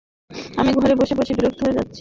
আমি ঘরে বসে বসে বিরক্ত হয়ে যাচ্ছি।